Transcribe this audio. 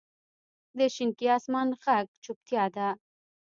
د شینکي اسمان ږغ چوپتیا ده.